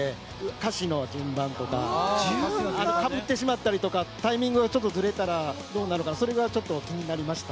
歌詞の順番とか、かぶってしまったりとか、タイミングがちょっとずれてしまったらどうするのか、それがちょっと気になりました。